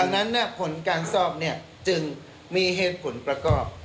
ดังนั้นผลการสอบจึงมีเหตุผลประกอบ